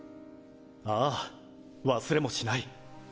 ああ忘れもしない。